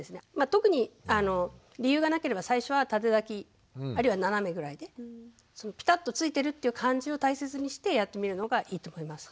特に理由がなければ最初は縦抱きあるいは斜めぐらいでぴたっとついてるっていう感じを大切にしてやってみるのがいいと思います。